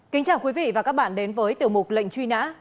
kính chào quý vị và các bạn đến với tiểu mục lệnh truy nã